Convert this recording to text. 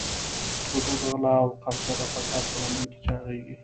ترور، غلا او قبضه د فساد په لمن کې چاغېږي.